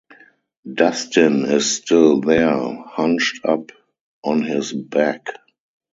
Dustin is still there, hunched up on his back.